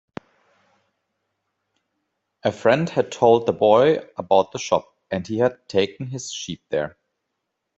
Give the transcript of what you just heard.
A friend had told the boy about the shop, and he had taken his sheep there.